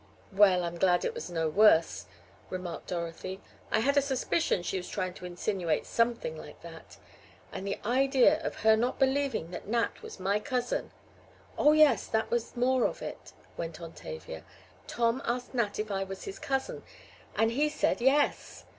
"Well, I am glad it is no worse," remarked Dorothy. "I had a suspicion she was trying to insinuate something like that. And the idea of her not believing that Nat was my cousin!" "Oh, yes, and that was more of it," went on Tavia. "Tom asked Nat if I was his cousin and he said yes.